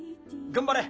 頑張れ！